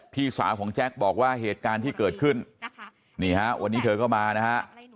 พี่สาวของแจ็คบอกว่าเหตุการณ์ที่เกิดขึ้นนี่ฮะวันนี้เธอก็มานะฮะ